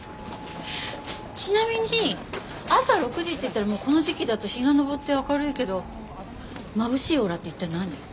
ちなみに朝６時っていったらもうこの時期だと日が昇って明るいけどまぶしいオーラって一体何？